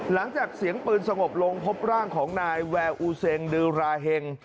หลังจากเสียงปืนสงบลงพบร่างของนายแววอูเซงดือราเห็ง